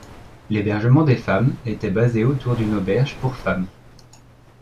L’hébergement des femmes était basé autour d’une auberge pour femmes.